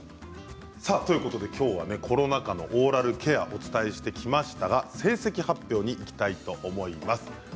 きょうはコロナ禍のオーラルケアをお伝えしてきましたが成績発表にいきたいと思います。